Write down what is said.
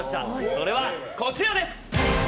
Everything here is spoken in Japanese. それはこちらです！